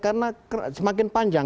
karena semakin panjang